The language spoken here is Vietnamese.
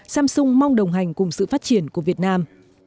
samsung mong đồng hành cùng sự phát triển của việt nam